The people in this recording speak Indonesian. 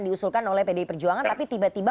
diusulkan oleh pdi perjuangan tapi tiba tiba